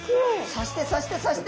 そしてそしてそして。